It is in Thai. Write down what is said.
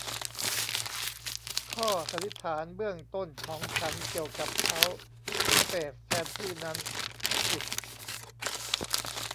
ข้อสันนิษฐานเบื้องต้นของฉันเกี่ยวกับพัลส์ที่เฟสแทนที่นั้นผิด